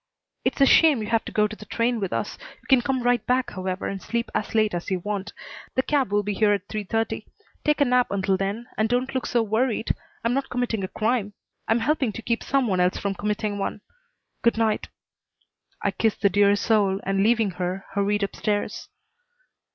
"It's a shame you have to go to the train with us. You can come right back, however, and sleep as late as you want. The cab will be here at three thirty. Take a nap until then, and don't look so worried. I'm not committing a crime. I'm helping to keep some one else from committing one. Good night." I kissed the dear soul and, leaving her, hurried up stairs.